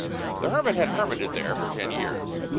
The hermit had hermited there for ten years.